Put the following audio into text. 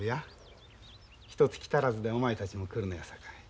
ひとつき足らずでお前たちも来るのやさかい。